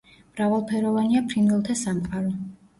მრავალფეროვანია ფრინველთა სამყარო.